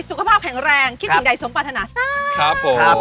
สุขภาพแข็งแรงคิดถึงใดสมปันธนาศาสตร์